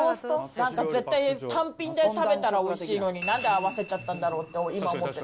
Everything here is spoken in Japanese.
なんか絶対単品で食べたらおいしいのに、なんで合わせちゃったんだろうって、今、思ってる。